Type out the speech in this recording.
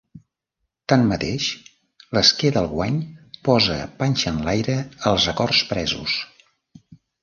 Tanmateix, l'esquer del guany posa panxa enlaire els acords presos.